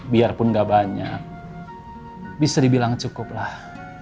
biarpun nggak banyak bisa dibilang cukuplah